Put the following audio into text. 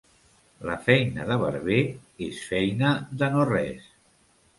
La feina de barber és feina de no res.